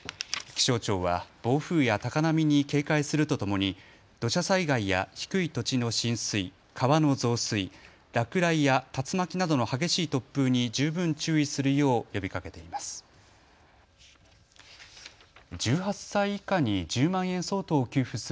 気象庁は暴風や高波に警戒するとともに土砂災害や低い土地の浸水、川の増水、落雷や竜巻などの激しい突風に十分注意するよう呼びかけています。